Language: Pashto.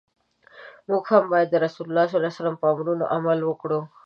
موږ هم باید د رسول الله ص په امرونو عمل وکړو.